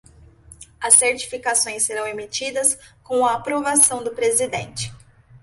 As certificações serão emitidas com a aprovação do Presidente.